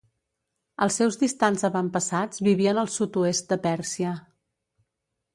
Els seus distants avantpassats vivien al sud-oest de Pèrsia.